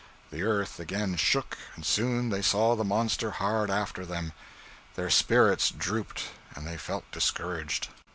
The earth again shook, and soon they saw the monster hard after them. Their spirits drooped, and they felt discouraged.